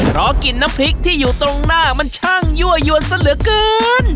เพราะกลิ่นน้ำพริกที่อยู่ตรงหน้ามันช่างยั่วยวนซะเหลือเกิน